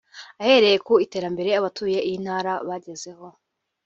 Ahereye ku iterambere abatuye iyi ntara bagezeho